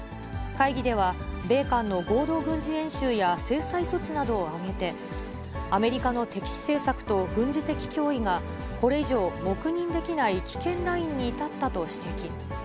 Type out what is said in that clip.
会議では、米韓の合同軍事演習や制裁措置などを挙げて、アメリカの敵視政策と軍事的脅威が、これ以上、黙認できない危険ラインに至ったと指摘。